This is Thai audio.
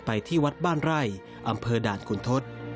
ที่วัดบ้านไร่อำเภอด่านคุณทศ